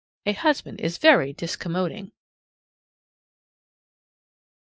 A husband is very discommoding.